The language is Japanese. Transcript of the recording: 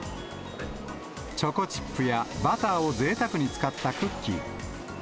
チョコチップやバターをぜいたくに使ったクッキー。